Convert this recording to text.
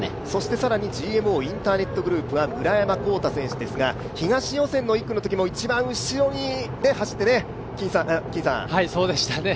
更にＧＭＯインターネットグループは村山紘太選手ですが、東予選の１区のときも一番後ろで走っていましたね。